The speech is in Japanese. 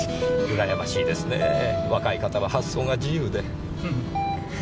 うらやましいですねぇ若い方は発想が自由で。